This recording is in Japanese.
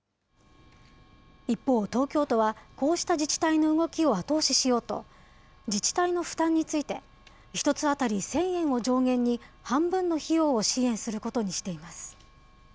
一方、東京都はこうした自治体の動きを後押ししようと、自治体の負担について、１つ当たり１０００円を上限に、半分の費用を支援することにしています。